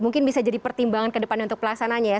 mungkin bisa jadi pertimbangan ke depannya untuk pelaksananya ya